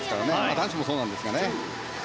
男子もそうなんですが。